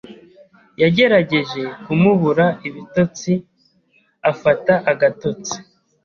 Yagerageje kumubura ibitotsi afata agatotsi.